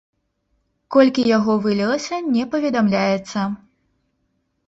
Колькі яго вылілася, не паведамляецца.